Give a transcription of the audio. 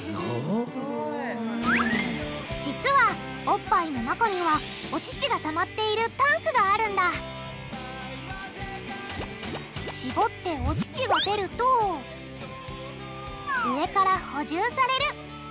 実はおっぱいの中にはお乳がたまっているタンクがあるんだしぼってお乳が出ると上から補充される。